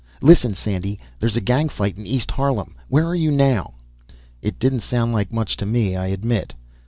"Listen, Sandy, there's a gang fight in East Harlem. Where are you now?" It didn't sound like much to me, I admit.